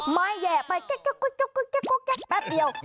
ไม่แยะไปก็กุ๊ดก็กุ๊ดแป๊บเดียว